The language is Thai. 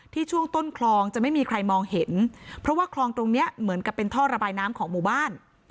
ช่วงต้นคลองจะไม่มีใครมองเห็นเพราะว่าคลองตรงเนี้ยเหมือนกับเป็นท่อระบายน้ำของหมู่บ้าน